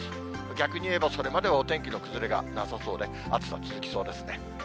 逆に言えば、それまではお天気の崩れがなさそうで、暑さ続きそうですね。